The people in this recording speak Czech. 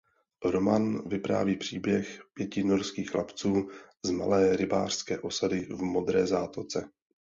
Román vypráví příběh pěti norských chlapců z malé rybářské osady v Modré zátoce.